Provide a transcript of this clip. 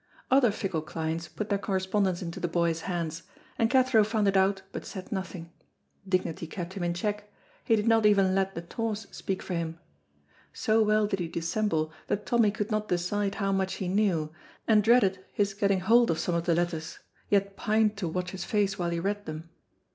Other fickle clients put their correspondence into the boy's hands, and Cathro found it out but said nothing. Dignity kept him in check; he did not even let the tawse speak for him. So well did he dissemble that Tommy could not decide how much he knew, and dreaded his getting hold of some of the letters, yet pined to watch his face while he read them.